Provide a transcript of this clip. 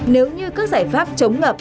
nếu như các giải pháp chống ngập